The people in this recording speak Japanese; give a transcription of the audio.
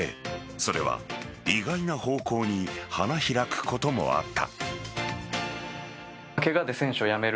それは意外な方向に花開くこともあった。